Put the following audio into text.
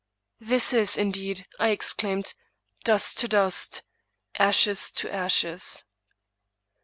This is, indeed, I exclaimed, *' dust to dust — ashes to ashes!